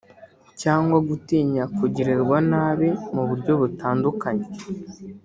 cyangwa gutinya kugirirwa nabi mu buryo butandukanye